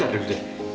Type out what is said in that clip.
tunggu tunggu tunggu